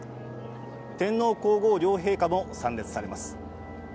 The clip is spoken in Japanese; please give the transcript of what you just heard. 天皇皇后両陛下も参列されます。